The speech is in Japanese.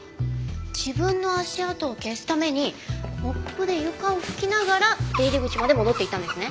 自分の足跡を消すためにモップで床を拭きながら出入り口まで戻っていったんですね。